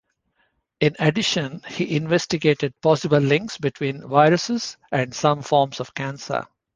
In addition, he investigated possible links between viruses and some forms of cancer.